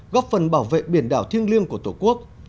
góp phần bảo vệ biển đảo thiêng liêng của tổ quốc